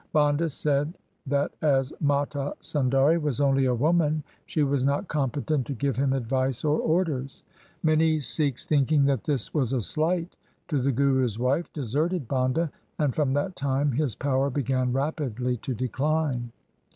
Banda said that as Mata Sundari was only a woman she was not competent to give him advice or orders. Many Sikhs thinking that this was a slight to the Guru's wife, deserted Banda, and from that time his power began rapidly to decline.